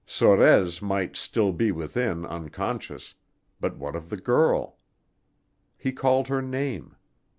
Sorez might still be within unconscious, but what of the girl? He called her name.